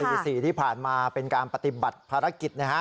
ตี๔ที่ผ่านมาเป็นการปฏิบัติภารกิจนะฮะ